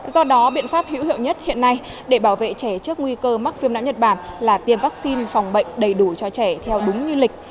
do đó biện pháp hữu hiệu nhất hiện nay để bảo vệ trẻ trước nguy cơ mắc viêm não nhật bản là tiêm vaccine phòng bệnh đầy đủ cho trẻ theo đúng như lịch